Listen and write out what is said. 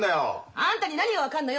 あんたに何が分かんのよ！